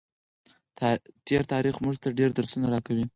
تېر تاریخ موږ ته ډېر درسونه راکوي.